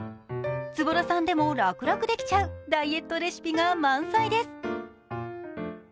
ずぼらさんでも楽々できちゃう、ダイエットレシピが満載です。